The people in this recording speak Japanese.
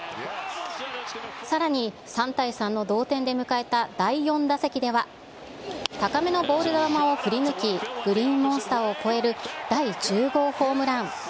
さらに３対３の同点で迎えた第４打席では、高めのボール球を振り抜き、グリーンモンスターを越える第１０号ホームラン。